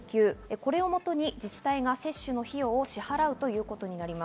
これを基に自治体が接種の費用を支払うということです。